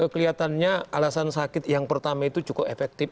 kelihatannya alasan sakit yang pertama itu cukup efektif